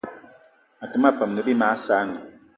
Até ma peum ne bí mag saanì